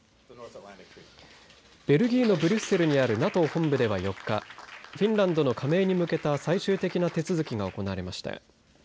ベルギーのブリュッセルにあるＮＡＴＯ本部では４日フィンランドの加盟に向けた最終的な手続きが行われました。